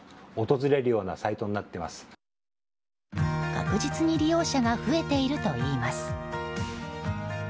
確実に利用者が増えているといいます。